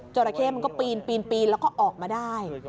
ราเข้มันก็ปีนปีนแล้วก็ออกมาได้